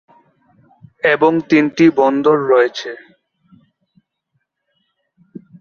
এবং তিনটি বন্দর রয়েছে।